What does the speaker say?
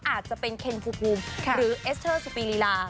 อาจจะเป็นเคนภูมิหรือเอสเตอร์สุปีรีลา